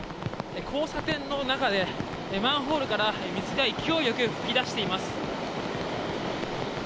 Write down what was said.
交差点の中でマンホールから水が勢いよく噴き出しています。